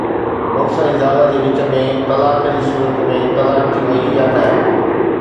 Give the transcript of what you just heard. مڙس ۽ زال جي وچ ۾ طلاق جي صورت ۾ طلاق ٿي وئي يا نه؟